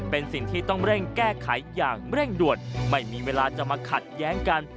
เป็นสิ่งที่ต้องเร่งแก้ไขอย่างเร่งด่วนไม่มีเวลาจะมาขัดแย้งกัน